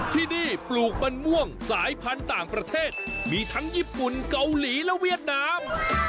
ที่นี่ปลูกมันม่วงสายพันธุ์ต่างประเทศมีทั้งญี่ปุ่นเกาหลีและเวียดนาม